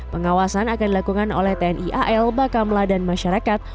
pengawasan akan dilakukan oleh tni al bakamla dan masyarakat